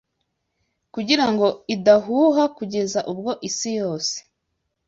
kugira ngo idahuha kugeza ubwo isi yose